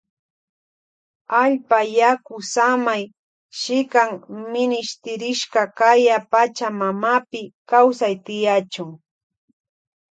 Allpa yaku samay shikan minishtirishka kaya pacha mamapi kawsay tiyachun.